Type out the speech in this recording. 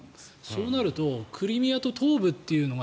そうなるとクリミアと東部というのが